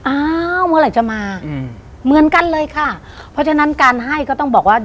อ้าวเมื่อไหร่จะมาอืมเหมือนกันเลยค่ะเพราะฉะนั้นการให้ก็ต้องบอกว่า